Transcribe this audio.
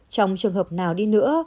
trong trường hợp nào đi nữa